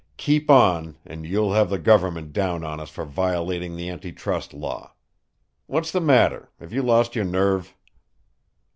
"Keep on, and you'll have the government down on us for violating the anti trust law. What's the matter? Have you lost your nerve?"